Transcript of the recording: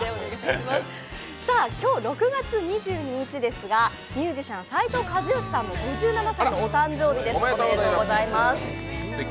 今日６月２２日ですがミュージシャン・斉藤和義さんの５７歳のお誕生日ですおめでとうございます。